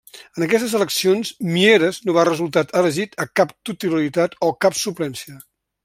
En aquestes eleccions Mieres no va resultar elegit a cap titularitat o cap suplència.